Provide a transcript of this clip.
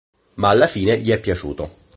Ma alla fine gli è piaciuto.